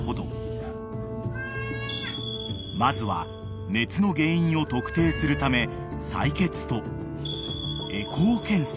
［まずは熱の原因を特定するため］